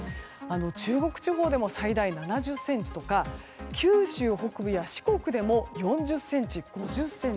中国地方でも、最大７０ｃｍとか九州北部や四国でも４０ｃｍ、５０ｃｍ。